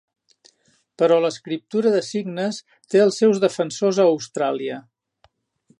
Però l'escriptura de signes té els seus defensors a Austràlia.